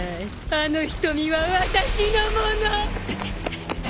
あの瞳は私のもの！